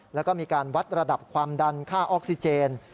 แล้วก็มีการวัดระดับความดันค่าออกซิเจน